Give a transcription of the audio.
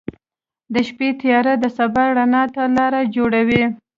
• د شپې تیاره د سبا رڼا ته لاره جوړوي.